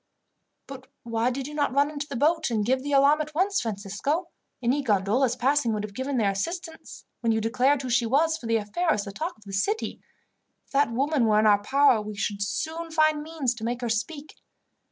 "But why did you not run into the boat and give the alarm at once, Francisco? Any gondolas passing would have given their assistance, when you declared who she was, for the affair is the talk of the city. If that woman were in our power we should soon find means to make her speak."